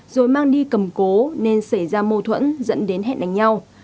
rồi mang đi cầm cố nên xảy ra mâu thuẫn dẫn đến hẹn đánh nhau